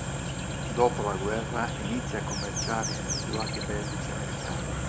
Dopo la guerra inizia a commerciare in residuati bellici americani.